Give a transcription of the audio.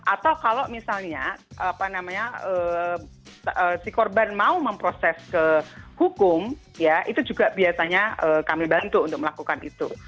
atau kalau misalnya si korban mau memproses ke hukum ya itu juga biasanya kami bantu untuk melakukan itu